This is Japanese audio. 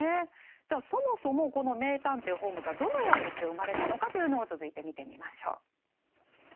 ではそもそもこの名探偵ホームズはどのようにして生まれたのかというのを続いて見てみましょう。